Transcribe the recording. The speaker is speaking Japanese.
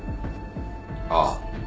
ああ。